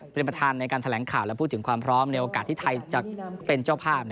เป็นประธานในการแถลงข่าวและพูดถึงความพร้อมในโอกาสที่ไทยจะเป็นเจ้าภาพ